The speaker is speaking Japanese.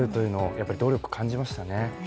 やはり努力感じましたね。